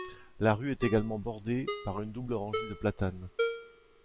La rue est également bordée par une double rangée de platanes.